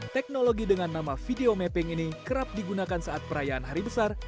teknologi dengan nama video mapping ini kerap digunakan saat perayaan hari besar